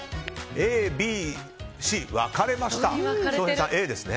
Ａ、Ｂ、Ｃ、分かれました。